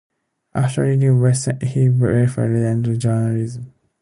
After leaving Westminster he briefly returned to journalism.